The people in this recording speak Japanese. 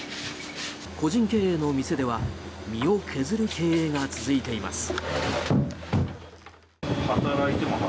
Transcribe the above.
個人経営の店では身を削る経営が続いています。